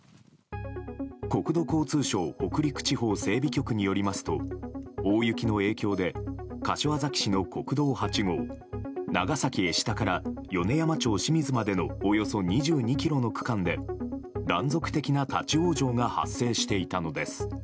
国土交通省北陸地方整備局によりますと大雪の影響で柏崎市の国道８号長崎江下から米山町清水までのおよそ２２ｋｍの区間で断続的な立ち往生が発生していたのです。